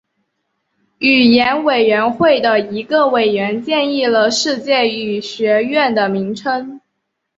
语言委员会的一个委员建议了世界语学院的名称。